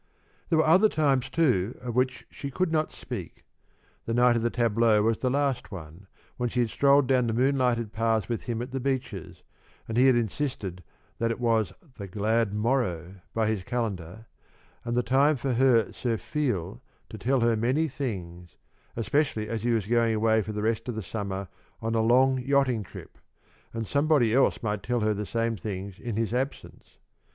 There were other times, too, of which she could not speak. The night of the tableaux was the last one, when she had strolled down the moonlighted paths with him at The Beeches, and he had insisted that it was the "glad morrow" by his calendar, and time for her Sir Feal to tell her many things, especially as he was going away for the rest of the summer on a long yachting trip, and somebody else might tell her the same things in his absence.